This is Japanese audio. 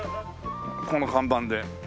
この看板で。